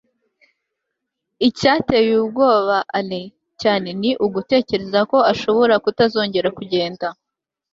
icyateye ubwoba alain cyane ni ugutekereza ko ashobora kutazongera kugenda